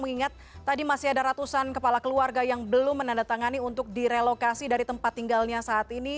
mengingat tadi masih ada ratusan kepala keluarga yang belum menandatangani untuk direlokasi dari tempat tinggalnya saat ini